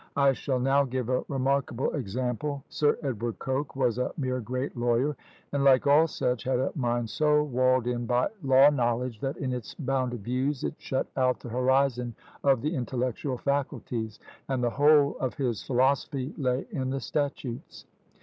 I shall now give a remarkable example. Sir Edward Coke was a mere great lawyer, and, like all such, had a mind so walled in by law knowledge, that in its bounded views it shut out the horizon of the intellectual faculties, and the whole of his philosophy lay in the statutes.